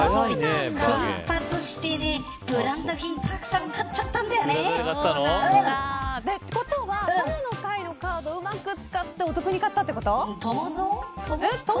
奮発してね、ブランド品たくさん買っちゃったんだよね。ということは友の会のカードをうまく使って買ったってこと。